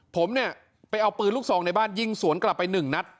ผมเนี่ยไปเอาปืนลูกซองในบ้านยิงสวนกลับไปหนึ่งนัด